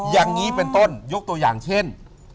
อย่างนี้เป็นต้นยกตัวอย่างเช่น